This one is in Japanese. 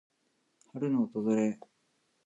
春の訪れ。